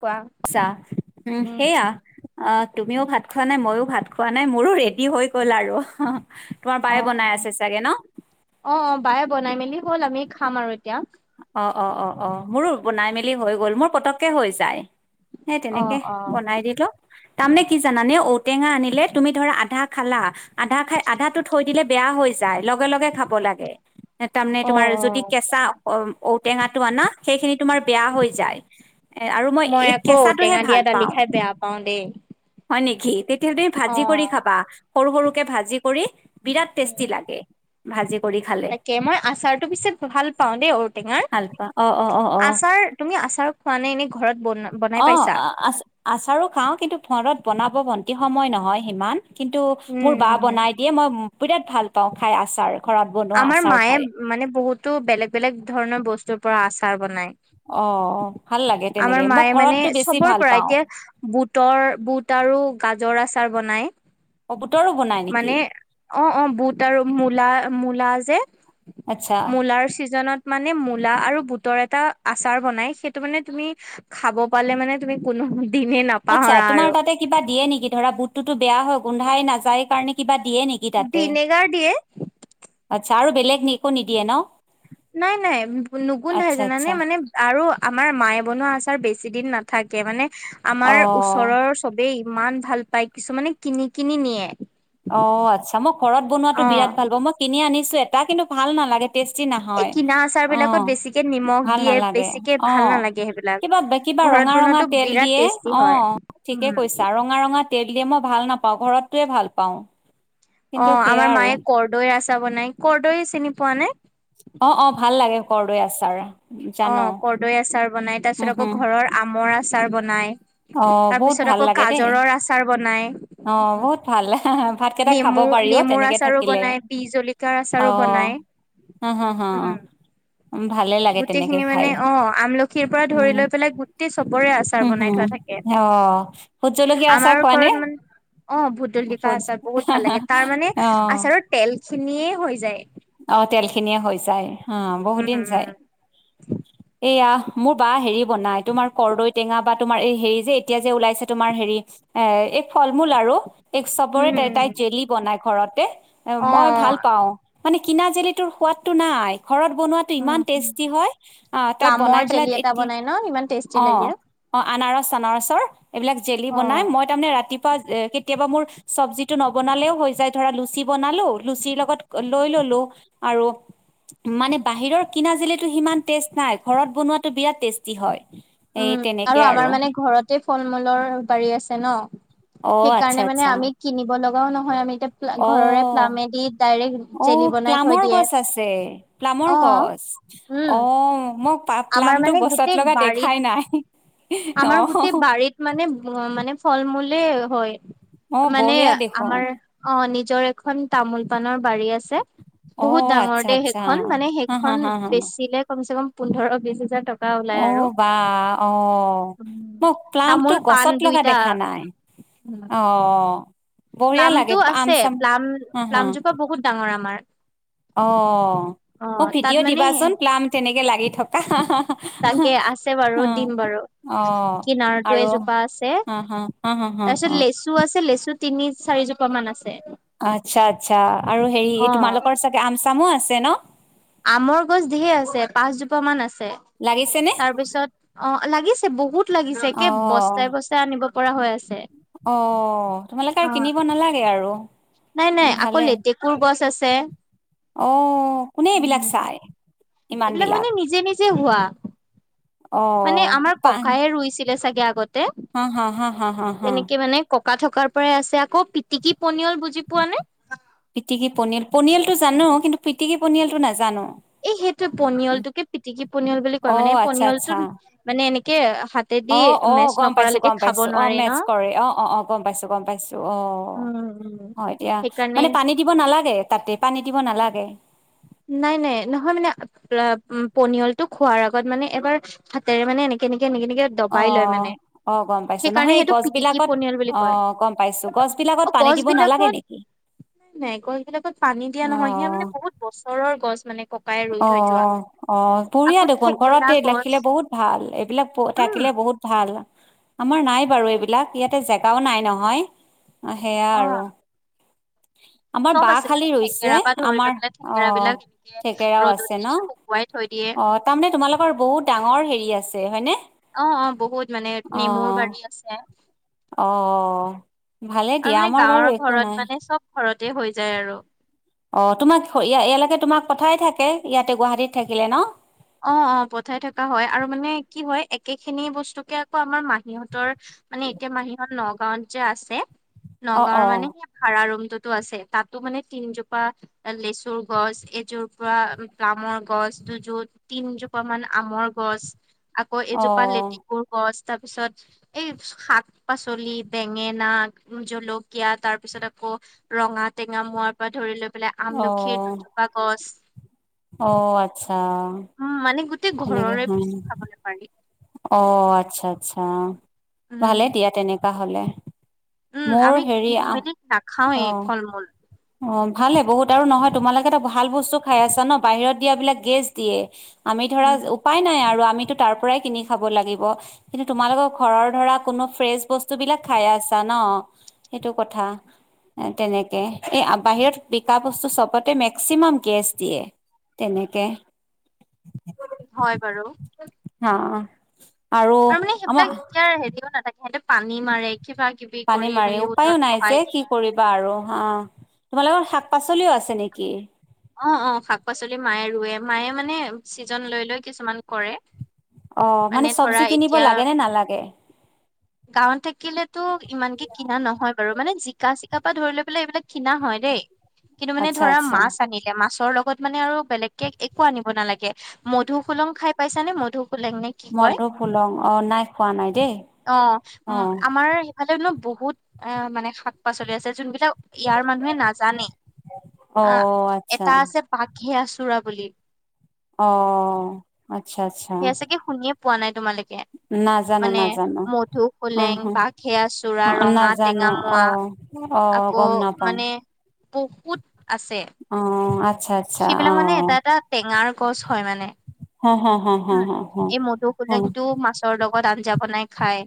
কোৱা ছ উম সেইয়া অ তুমিও ভাত খোৱা নাই মইো ভাত খোৱা নাই মোৰো ৰেডি হৈ গ'ল আৰু তোমাৰ অ বায়ে অ বনাই আছে চাগে ন অ অ বায়ে বনাই মেলি হ'ল আমি খাম আৰু এতিয়া। অ অ অ অ মোৰো বনাই মেলি হৈ গল মোৰ পতককে হৈ যায়। সেই অ তেনেকে অ বনাই দিলো তাৰ নে কি জানানে অ ঔটেঙা আনিলে তুমি ধৰা আধা খালা আধা খাই আধাো থৈ দিলে বেয়া হৈ য লগে লগে খাব লাগে তাৰমানে অ তোমাৰ অ যদি কেঁচা অ ঔটেঙাটো আনা সেইখিনি তোমাৰ বেয়া হৈ যায়, এ আৰু মই এই আকৌ কেঁচাটোহে ঔটেঙা দিয়া ভাল দালি পাওঁ খাই বেয়া পাওঁ দেই হয় নেকি? ঘি তেতিয়য়া তুমি অ ভাজি কৰি খাবা সৰু সৰুকে ভাজি কৰি বিৰাট উম, টেষ্টি লাগে। ভাজি কৰি খালে তাকে মই আচাৰতটো পিছে ভাল পাওঁ দেই ঔ টেঙাৰ, ভাল পা অ অ অ অ আচাৰ তুমি আচাৰ খোৱা নে এনে ঘৰত বন বনাই অ পাইছা আচ আচাৰো খাও কিন্তু ঘৰত বনাব বন্তি সময় নহয় সিমান কিন্তু উম, মোৰ বা উম। বনাই দিয়ে মই বিৰাট ভাল পাওঁ খাই আচাৰ। ঘৰত বনোৱা আমাৰ আচাৰ মায়ে খাই মানে বহুতো বেলেগ বেলেগ ধৰণৰ বস্তুৰ পৰা আচাৰ বনায়। অ ভাল লাগে আমাৰ তেনেকে মই মায়ে মানে ঘৰতটো বেছি চবৰ ভাল পৰা, পাওঁ এতিয়া বুটৰ বুট আৰু গা জৰাচাৰ বনাই, অ বুটৰো বনাই নেকি মানে অ 'অ বুট আৰু মূলা মূলা যে আচ্ছা মূলাৰ চি মানে মূলা আৰু বুটৰ এটা আচাৰ বনাই, সেইটো মানে তুমি খাব পালে মানে তুমি কোনো দিনে আচ্ছা নাপাহৰা তোমাৰ আৰু তাতে কিবা দিয়ে নেকি, ধৰা বুটটোতো বেয়া হয় গোন্ধাই নাযায় কাৰণে কিবা দিয়ে নেকি তাতে, ভিনেগাৰ দিয়ে আচ্ছা আৰু বেলেগ একো নিদিয়ে ন। নাই নাই নুগুন্ধাই আচ্ছা আচ্ছা জানানে মানে আৰু আমাৰ মায়ে বনোৱা আছ বেছি দিন নাথাকে মানে, অ আমাৰ ওচৰৰ চবেই ইমান ভাল পায়, কিছুমানে কিনি কিনি নিয়ে। অ আচ্ছা মই ঘৰত বনোৱাতো অ বিৰাট ভাল পাওঁ, মই কিনি আনিছো এটা কিন্তু ভাল নালাগে। টেষ্টি এই নহয় কিনা আচাৰ অ, বিলাকত বেছিকে নিমখ ভাল দিয়ে নালাগে, বেছিকে অ ভাল নালাগে সেইবিলাক কিবা কিবা ঘৰত ৰঙা ৰঙা বনোৱাটো তেল বিৰাট দিয়ে, টেষ্টি অ হয় ঠিকে উম কৈছা, ৰঙা ৰঙা তেল য়ে মই ভাল নাপাওঁ ঘৰতোৱে ভাল পাওঁ। অ কিন্তু সেয়া আমাৰ আৰু মায়ে কৰৰ্দৈ আচাৰ বনাই, কৰৰ্দৈ চিনি পোৱা নে? অ 'অ ভাল লাগে কৰদৈ আচাৰ। অ জানো কৰ্দৈ আচাৰ বনাই, তাৰ উম পিছত হম আকৌ ঘৰৰ আমৰ আচাৰ বনাই। অ তাৰ বহুত পিছত ভাল আকৌ লাগে দেই, গাজৰৰ আচাৰ বনাই অ বহুত ভাল। ভাত কেইটা খাব নেমু পাৰি অ নেমুৰ তেনেকে আচাৰো থাকিলে বনাই বি জলকীয়াৰ অ আচাৰো বনাই হা হা হা গোটেই খিনি মানে অ আমলখিৰ পৰা ধৰি উম, লৈ পেলাই গোটেই চবৰে আচাৰ হম, বনাই হম, থোৱা থাকে অ ভুত জলকীয়া আছা আমাৰ কোৱা নে ঘৰত মানে অ ভুদললিপা ভোট আচাৰ বহুত ভাল লাগে তাৰ মানে অ', আচাৰৰ তেল খিনিয়ে হৈ যায় অ তেল খিনিয়ে হৈ যায়, অ বহুত উম দিন যায়। উম এইয়া মোৰ বা হেৰি বনাই, তোমাৰ কৰ্দৈ টেঙা বা তোমাৰ এই হেৰি যে এতিয়া যে ওলাইছে তোমাৰ হেৰি এ এই ফল মূল আৰু। এই চবৰে উম তাই তাই উম জেলি বনাই ঘৰতে, অ অ মই ভাল পাওঁ। মানে কিনা জেলিটোৰ সোৱাদটো নাই। ঘৰত বনোৱাটো উম ইমান উম টেষ্টি হয় আহ তাই প্লামৰ বনাই পেলাই জেলি এটা এতিয়া বনাই ন ইমান টেষ্টি অ লাগে। অ আনাৰস চনাৰসৰ এইবিলাক জেলি বনাই মই তাৰমানে ৰাতি কেতিয়াবা মোৰ চব্জিটো নবনালেও হৈ যায় ধৰা লুচি বনালো লুচিৰ লগত লৈ ললো আৰু মানে বাহিৰৰ কিনা জিলো সিমান টেষ্ট নাই ঘৰত বনোৱাাতটো বিৰাট টেষ্টি হয় উম এই তেনেকে আৰু আমাৰ মানে ঘৰতে ফল মূলৰ বাৰী আছে ন অ', আচ্ছা সেইকাৰণে মানে আচ্ছা আমি কিনিব লগাও নহয় আমি এতিয়া ঘৰৰে অ', প্লামেদি ডাইৰেক্ট অ জেলি বনাই থৈ প্লামৰ দিয়ে গছ আছে প্লামৰ অ গছ উম অ মোক আমাৰ পাপ্লামতটো মানে গছত গোটেই লগা বাৰীত দেখাই নাই আমাৰ অ', গোটেই বাৰীত মানে মানে ফল মূলে হয় অ', মানে বঢ়িয়া দেখোন আমাৰ অ নিজৰ এখন তামোল পাণৰ বাৰী আছে অ' বহুত আচ্ছা ডাঙৰ দে আচ্ছা সেইখন মানে হা হা সেইখন হা হা বেচিলে কমচে কম পোন্ধৰ বিশ হাজাৰ টকা ওলাই অ আৰু বা অ উম, মোক প্লাম্পটো তামোল পাণ গছত লগা দুইটা দেখা নাই অ বঢ়িয়া লাগে প্লামতটো আম আছে চাম প্লাম হা হা প্লামজোপা বহুত ডাঙৰ আমাৰ অ অ', মোক তাত ভিডিঅ' মানে দিবাচোন প্লাম তেনেকে লাগি থকা তাকে আছে বাৰু অ' দিম বাৰু অ' কিনাৰটোো আৰু এজোপা আছে হা হা হা হা হা তাৰপিছত হা লেচু আছে লেচুত তিনি চাৰিজোপা মান আছে আচ্ছা আচ্ছা আৰু হেৰি এই অ', তোমালোকৰ চাগে আম চামো আছে ন আমৰ গছ ঢেৰ আছে পাঁচজোপা মান আছে লাগিছেনে তাৰ পিছত অ লাগিছে বহুত লাগিছে একে অ' বস্তাই বস্তাই আনিব পৰা হৈ আছে অ তোমালোকে আৰু অ', কিনিব নালাগে আৰু নাই নাই আকৌ ভালে লেতেকুৰ গছ আছে অ কোনে এইবিলাক উম, চাই ইমান এইবিলাক বিলাক মানে নিজে নিজে হোৱা মানে অ', আমাৰ পা ককায়ে ৰুইছিলে চাগে আগতে হা, হা, হা, হা, হা, হা, তেনেকে মানে ককা ককা থকাৰ পৰাই আছে আকৌ পিটিকি পনিয়ল বুজি পোৱা নে পিটিকি পনিয়াল পনিয়াল টো জানো কিন্তু পিটিকি পনিয়াল টো নাজানো এই সেইটোৱে পনিয়লটোকে পিটিকি পনিয়ল বুলি কয় মানে অ', এই আচ্ছা, পনিয়লটো আচ্ছা মানে এনেকে হাতেদি অ অ মেচ গম পাইছো নকৰালৈকে গম খাব পাইছো অ নোৱাৰি ন মেথছ কৰে অ অ অ গম পাইছো গম পাইছো অ উম উম অ এতিয়া সেইকাৰণে মানে পানী দিব নালাগে তাতে পানী দিব নালাগে নাই নাই নহয় মানে পনিয়ল টো খোৱাৰ আগত মানে এবাৰ হাতেৰে মানে এনেকে এনেকেনেকে দবাই লয় অ', মানে অ', গম পাইছো সেইকাৰণে নহয় এই সেইটো পিটিকি গছবিলাকত পনিয়ৰ বুলি কয় অ', গম পাইছো গছবিলাকত অ পানী গছ দিব নালাগে বিলাকত নেকি নাই নাই গছ বিিলাকত পানী দিয়া নহয় সেয়া অ', মানে বহুত বছৰৰ গছ মানে ককাই ৰুই থৈ যোৱা অ' অ' বঢ়িয়া আকৌ দেখোন থেকেৰা ঘৰতে গছ লখিলে বহুত ভাল, এইবিলাক উম থাকিলে বহুত ভাল, আমাৰ নাই বাৰু এইবিলাক ইয়াতে জেগাও নাই নহয়। হেয়া অ আৰু আমাৰ চব বাহ আছে খালী মানে ৰৈছে থেকেৰা পৰা ধৰি লৈ আমাৰ পেলাই থেকেৰা অ' বিলাক এনেকে থেকেৰাও ৰ'দত আছে দি ন দি শুকুৱাই থৈ দিয়ে অ' তাৰমানে তোমালোকৰ বহুত ডাঙৰ হেৰি আছে হয়নে? অ' অ' বহুত মানে অ নেমুৰ বাৰী আছে। অ ভালে আৰু দিয়া মানে আমাৰ বাৰু গাঁৱৰ একো ঘৰত নাই মানে চ'ব ঘৰত হৈ যায় আৰু অ তোমাক ইয়ালৈকে তোমাক কথাই থাকে ইয়াতে গুৱাহাটীত থাকিলে ন অ অ পঠাই থকা হয় আৰু মানে কি হয় একে খিনি বস্তুকে আকৌ আমাৰ মাহীহঁতৰ মানে এতিয়া মাহীহত নগাঁওত যে আছে অ নগাঁওৰ অ মানে সেই ভাড়া ৰুম শতো আছে তাতো মানে তিনজোপা লেচুৰ গছ এজোপা গামৰ গছ ছ দুজোত তিনজোপা মান আমৰ গছ আকৌ অ এজোপা লেটিকুৰ গছ তাৰ পিছত এই শাক পাচলি বেঙেনা জলকীয়া তাৰ পিছত আকৌ ৰঙা টেঙা মোৱাৰ পৰা ধৰি লৈ পেলাই অ আমলখিৰ দুজোপা গছ অ আচ্ছা উম, মানে গোটেই এনেকে ঘৰৰে হয় নি বস্তু খাবলৈ পাৰি। অ' আচ্ছা, আচ্ছা উম ভালে দিয়া তেনেকা হ'লে। উম মোৰ আমি হেৰি কিনি আঠ মেলি নাখাওৱেই অ' ফল মূল অ' ভালেহে বহুত আৰু নহয়, তোমালোকে এটা ভাল বস্তু খাই আছা ন বাহিৰত দিয়াবিলাক গেষ্ট দিয়ে। আমি ধৰা উম উপায় নাই আৰু আমিতো তাৰ পৰাই কিনি খাব লাগিব। কিন্তু তোমালোকৰ ঘৰৰ ধৰা কোনো ফ্ৰেচ বস্তু বিলাক খাই আছা ন। সেইটো কথা তেনেকে এই বাহিৰত বিক্ৰা বস্তু চবতে মেক্সিমাম গেছ দিয়ে। তেনেকে হয় বাৰু। অ' আৰু মানে সেইবিলাক এতিয়া হেৰিও নাথাকে। সিহঁতে পানী মাৰে কিবা কিবি পানী কৰি মাৰে মেলি উপায়ো ওজন নাই বঢ়াই যে কি দিয়ে। কৰিবা আৰু অ' তোমালোকৰ শাক-পাচলিও আছে নেকি? অ' অ' শাক-পাচলি মায়ে ৰুৱে, মায়ে মানে ছিজন লৈ লৈ কিছুমান কৰে। অ মানে ধৰা চব্জি কিনিব এতিয়া লাগে নে নালাগে? গাঁৱত থাকিলেতো ইমানকে কিনা নহয় বাৰু। মানে জিকা চিকা পৰা ধৰি লৈ পেলাই এইবিলাক কিনা হয় দেই, কিন্তু মানে আচ্ছা ধৰা আচ্ছা মাছ আনিলে মাছৰ লগত মানে আৰু বেলেগকে একো আনিব নালাগে, মধু সোলং খাই পাইছ নে মধু লেং নে কি কয়, মধু ফুলং অ নাই খোৱা নাই দেই অ উ অ আমাৰ ইফালেনো বহুত অ মানে শাক পাচলি আছে যোনবিলাক ইয়াৰ মানুহে নাজানে, অ আহ আচ্ছা এটা আছে পাকে আচোৰা বুলি। অ আচ্ছা আচ্ছা। সেয়া চাগে শুনিয়ে পোৱা নাই তোমালোকে। নাজানো মানে নাজানো মধু অ সোলেং, বাঘে আছুৰা, অ ৰঙা টেঙা, নাজানো মোৱা অ অ আকৌ গম নাপাওঁ মানে বহুত আছে। অ আচ্ছা আচ্ছা অ সেইবিলাক মানে এটা এটা টেঙাৰ গছ হয় মানে। হা হা হা উম হা হা হা এই মধু অ সোলেংটো মাছৰ লগত আঞ্জা বনাই খাই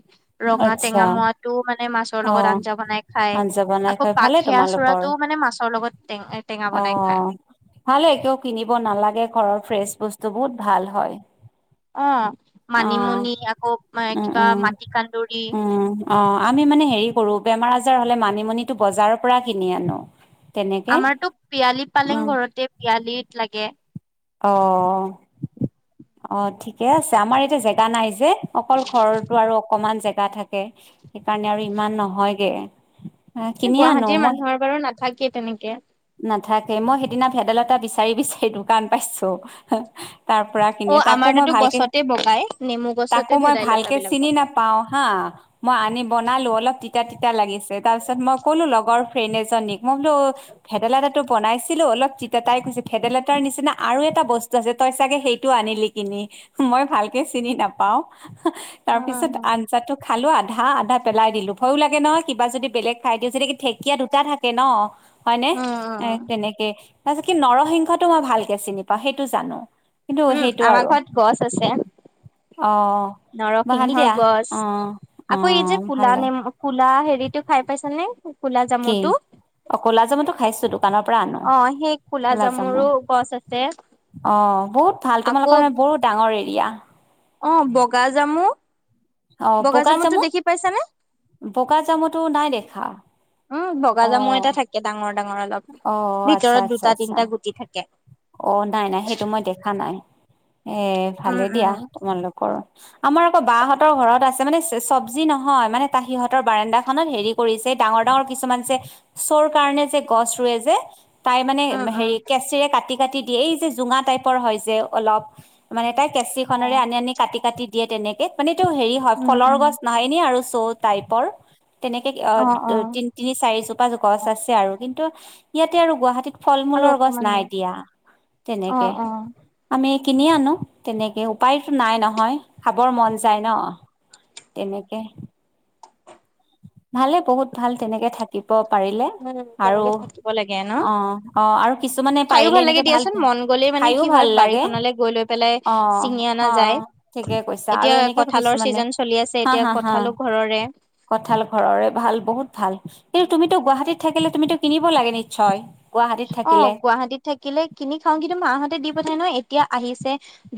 ৰঙা আচ্ছা টেঙা মোৱোটো মানে মাছ মছৰ অ লগত আঞ্জা বনাই খায় আঞ্জা বনাই আকৌ খুৱাই ভালে বাঘে তোমালোকৰ অচুৰাটো মানে মাছৰ লগত টেঙা বনাই খায়। অ', ভালে একেও কিনিব নালাগে ঘৰৰ ফ্ৰেছ বস্তু বহুত ভাল হয়। অ অ মানিমুনি আকৌ উম কিবা উম মাটি কান্দুৰি উম অ আমি মানে হেৰি কৰো বেমাৰ আজাৰ হ'লে মানিমুনিটো বজাৰৰ পৰা কিনি আনো। তেনেকে আমাৰতো পিয়ালি পালেং উম, ঘৰতে পিয়ালিত লাগে। অ অ ঠিকে আছে আমাৰ এতিয়া জে নাই যে অকল ঘৰৰতটো আৰু অকমান জেগা থাকে সেইকাৰণে আৰু ইমান নহয়গে এ কিনিয়ে আনো গুৱাহাটীয়ে মই মানুহৰ বাৰু নাথাকে তেনেকে নাথাকে মই সেইদিনা ভেদাইলতা বিচাৰি বিচাৰি দোকান পাইছোঁ তাৰ পৰা কিনি অ' তাকো মই আমাৰতো ভালকে গছতে বগাই নেমু গছতে তাকো মই ভেদাইলতা ভালকে বিলাক চিনি বগাই। নাপাও হা মই আনি বনালো অলপ তিতা তিতা লাগিছে তাৰ পিছত মই কলো লগৰ ফ্ৰেণ্ড এজনীক মই বোলো ভেদলাতাটো বনাইছো ছিলো অলপ তিতা তাই কৈছে ভেদাইলতাৰ নিচিনা আৰু এটা বস্তু আছে তাই চাগে সেইটো আনিলি কিনি। মই ভালকে চিনি নাপাওঁ তাৰপিছত অ'। অঞ্জাটো খালোঁ আ ধা আধা পেলাই দিলো ভয়ো লাগে ন কিবা যদি বেলেগ খায় দিওঁ যদি, ঢেঁকীয়া দুটা থাকে ন? হয় নে? এ উম, তেনেকে তাৰপিছত কি নৰসিংহটো মই ভালকে চিনি পাওঁ সেইটো জানো। কিন্তু উম সেইটো আমাৰ আৰু ঘৰত গছ আছে। অ', ভাল নৰসিংহৰ দিয়া গছ অ', আকৌ এই যে অ', কলা ভালে নম কলা হেৰিতটো খাই পাইছ নে কলা কি জামুটো? অ', ক'লা জামুতটো খাইছো দোকানৰ পৰা আনো অ' সেই কুলা ক'লাজামু জামুৰো গছ আছে। অ', বহুত ভাল আকৌ তোমালোকৰ মানে বহুত ডাঙৰ এৰিয়া অ', বগা জামু অ', বগা জামুটো চামু দেখি পাইছানে? বগা চামুতটো নাই দেখা উ বগা জামৰ অ', এটা থাকে ডাঙৰ ডাঙৰ অলপ অ', আচ্ছা ভিতৰত আচ্ছা দুটা আচ্ছা তিনিটা গুটি থাকে অ', নাই, নাই সেইটো মই দেখা নাই এ উম ভালে দিয়া উম তোমালোকৰ আমাৰ আকৌ বা, হত সিহঁতৰ ঘৰত আছোনে চ চব্জি নহয় মানে তাৰ সিহঁৰ বাৰাণ্ন্দা খত হেৰি কৰিছে ডাঙৰ ডাঙৰ কিছুমান চ চো ৰ কাৰণনে যে গছ ৰুৱে যে তাই মানে উম হেৰি কেঁচিৰে কাটি, কাটি দিয়ে এই যে জোঙা টাইপৰ হয় যে অলপ মানে তাইক কেঁচি উম খনেৰে আনি, আনি কাটি কাটি দিয়ে তেনেকে মানে এইটো হেৰি হয় উম ফলৰ উম গছ নহয় এনে চো টাইপৰ তেনেকে অ অ তি তিনি চাৰি চোপা গছ আছে কি ইয়াতে আৰু গুৱাহাটীত ফল আৰু মূলৰ গছ অকমান নাই দিম দিয়া অ তেনেকে অ আমি কিনি আনো তেনেকে উপায়তো নাই নহয় খাবৰ মন ন তেনেকে ভালে বহুত ভাল তেনেকে থাকিব পাৰে উম আৰু তেনেকে থাকিব লাগে ন অ', অ', আৰু কিছুমানে খাইও পাৰিলে লাগে এনেকে ভাল দিয়াচোন প মন গ'লে মানে খাইও কি হয় ভাল লাগে বাৰীখনলৈ গৈ লৈ পেলাই অ', ছিঙি হ অনা ঠিকে কৈছা আৰু এনেকে কি ৰ চিজন চলি আছে এতিয়া কঠালো ঘৰৰে কঁঠাল ঘৰৰে ভাল বহুত ভাল কিন্তু তুমিতো গুৱাহাটীত থাকিলে তুমিতো কিনিব লাগে নিশ্চয় গুৱাহাটীত থাকিলে অ', গুৱাহাটীত থাকিলে কিনি খাও কিন্তু মাহঁতে দি প নহয় এতিয়া আহিছে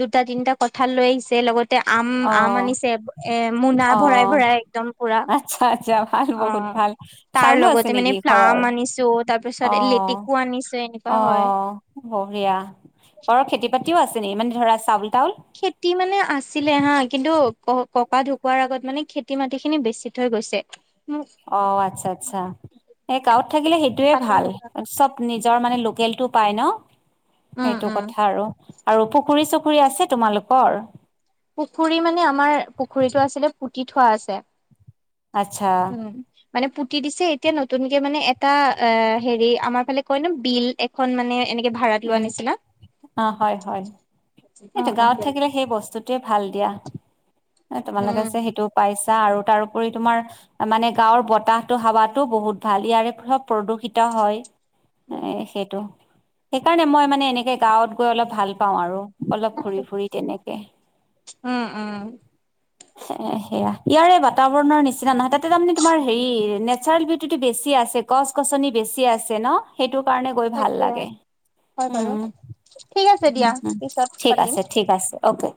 দুটা তিনিটা কথা লৈ আহিছে লগত এ আম, অ আম আনিছে এ মোনা অ ভৰাই ভৰাই একদম পুৰা আচ্ছা আচ্ছা ভাল বহুত অ', ভাল তাৰ চাউলো আছে লগতে মানে নেকি প্লাম ঘৰৰ আনিছো তাৰ পিছত অ', লেটেকু আনিছো এনেকুৱা হয়। অ', হবয়া বৰৰ খেতি পতিও আছে নি মানে ধৰা চাউল তাউল খেতি মানে আছিলে হা কিন্তু ক ককা ঢুকোৱাৰ আগত মানে খেতি মাটি খিনি বেছি থৈ গৈছে। অ', আচ্ছা, আচ্ছা এই গাঁৱত থাকিলে সেইটোয়ে ভাল চব নিজৰ মানে তেলটো পাই ন উম, সেইটো উম। কথা আৰু আৰু পুখুৰী চুখুৰী আছে তোমালোকৰ? তি থোৱা আছে আচ্ছা, উম। মানে পুতি দিছে এতিয়া নতুনকে মানে এটা অ', হেৰি আমাৰ ফালে কয় ন বিল এখন মানে এনে উম, অ', হয়, হয় সটো অ', গাঁৱত অ', থাকিলে সেই বস্তুটোৱে ভাল দিয়া তোমালোকে উম। যে সেইটো পাইছা আৰু তাৰোপৰি তোমাৰ মানে গাঁৱৰ বতাহতটো হাৱাতো বহুত ভাল ইয়াৰেব প্ৰদূষিত হয় এ সেইটো সেইকাৰণে মই মানে এনেকে গাঁৱত গৈ অলপ ভাল পাওঁ আৰু। অলপ ঘূৰি ফুৰি তেনেকে। উম, উম, এ সেয়া ইয়াৰে বাতাবৰণৰ নিচিনা নহয় তাতে তাৰমানে তোমাৰ হেৰি নেচাৰেল বিউটিটো বেছি আছ ছে গছ গছনি বেছি আছে ন সেইটো কাৰণে গৈ ভাল তাকে লাগে হয় বাৰু উম ঠিক আছে উম দিয়া উম। পিছত ঠিক পাতিম। আছে ঠিক আছে অকে।